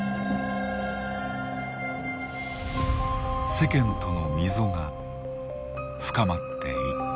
世間との溝が深まっていった。